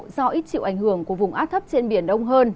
do ít chịu ảnh hưởng của vùng áp thấp trên biển đông hơn